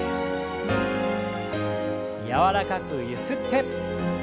柔らかくゆすって。